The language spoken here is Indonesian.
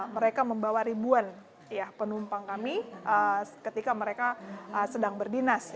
mereka membawa ribuan penumpang kami ketika mereka sedang berdinas